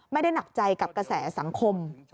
ไม่ได้หนักใจกับกระแสสังคม